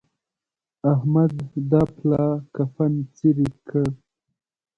احمد دا پلا کفن څيرې کړ.